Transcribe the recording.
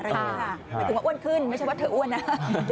หมายถึงว่าอ้วนขึ้นไม่ใช่ว่าเธออ้วนนะ